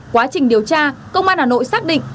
quá trình điều tra công an hà nội xác định